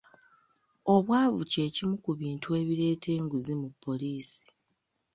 Obwavu kye kimu ku bintu ebireeta enguzi mu poliisi.